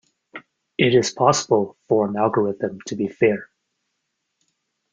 It is possible for an algorithm to be fair.